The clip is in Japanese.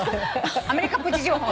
アメリカプチ情報。